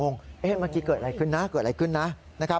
เมื่อกี้เกิดอะไรขึ้นนะ